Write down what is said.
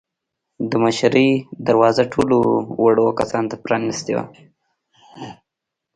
د مشرۍ دروازه ټولو وړو کسانو ته پرانیستې وه.